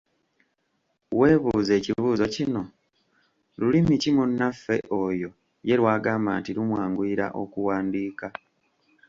Weebuuze ekibuuzo kino, lulimi ki munnaffe oyo ye lw'agamba nti lumwanguyira okuwandiika?